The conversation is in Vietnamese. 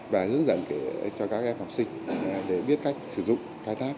và hướng dẫn cho các em học sinh để biết cách sử dụng khai thác